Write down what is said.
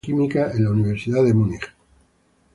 Estudió Química en la Universidad de Múnich.